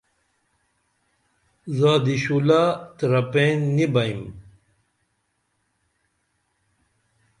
زادی شُولہ ترپین نی بئیم